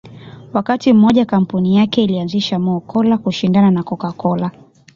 Wakati mmoja kampuni yake ilianzisha Mo Cola kushindana na Coca Cola